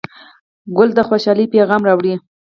ګل د خوشحالۍ پیغام راوړي.